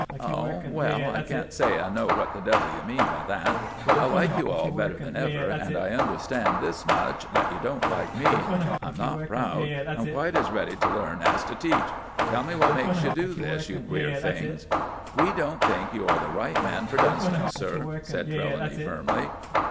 "Oh. Well, I can't say I know what the devil you mean by that; but I like you all better than ever, and I understand this much, that you don't like me. I'm not proud. I'm quite as ready to learn as to teach. Tell me what makes you do this, you queer things." "We don't think you are the right man for Dunston's, sir," said Trelawny, firmly.